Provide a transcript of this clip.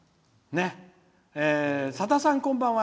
「さださん、こんばんは。